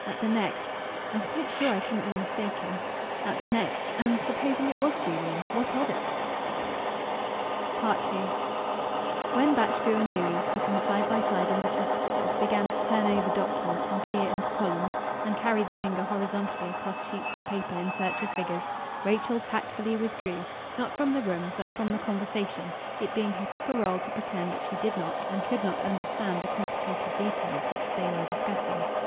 At the next, "I'm quite sure I couldn't be mistaken." At the next, "And supposing it was Julian what of it?" II When Batchgrew and Louis, sitting side by side on the Chesterfield, began to turn over documents and peer into columns, and carry the finger horizontally across sheets of paper in search of figures, Rachel tactfully withdrew, not from the room, but from the conversation, it being her proper role to pretend that she did not and could not understand the complicated details which they were discussing.